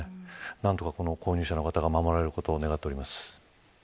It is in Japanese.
なんとか購入者の方が守られることを願っています。